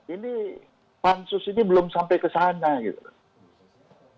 ini pansus ini belum sampai kesana gitu